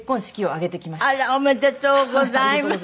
あらおめでとうございます。